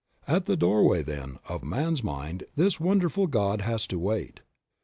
At the doorway, then, of man's mind this wonderful God has to wait.